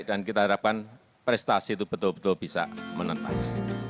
dan kita harapkan prestasi itu betul betul bisa menetas